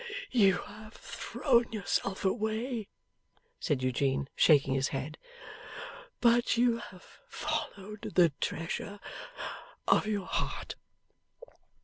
'You have thrown yourself away,' said Eugene, shaking his head. 'But you have followed the treasure of your heart.